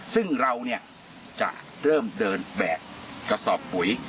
ซึ่งเราเนี่ยจะเริ่มเดินแบกกระสอบปุ๋ย